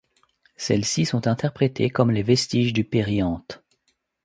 Celles-ci sont interprétées comme les vestiges du périanthe.